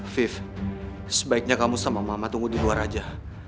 five sebaiknya kamu sama mama tunggu di luar aja